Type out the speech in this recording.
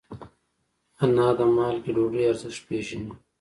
انا د مالګې ډوډۍ ارزښت پېژني